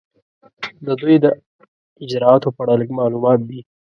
د دوی د اجرااتو په اړه لږ معلومات دي.